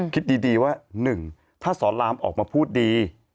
คิดดีว่า๑ถ้าสอนรามออกมาพูดดี